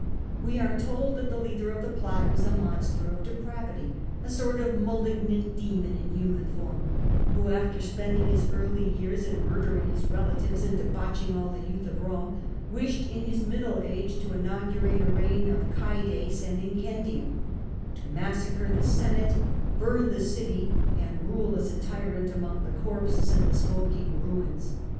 We are told that the leader of the plot was a monster of depravity, a sort of malignant demon in human form, who, after spending his early years in murdering his relatives and debauching all the youth of Rome, wished in his middle age to inaugurate a reign of ccedes and incendium, to massacre the Senate, burn the city, and rule as a tyrant among the corpses and the smoking ruins.